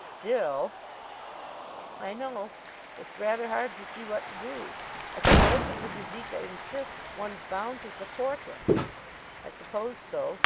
"Still " "I know. It's rather hard to see what to do. I suppose if the Gazeka insists, one's bound to support him." "I suppose so."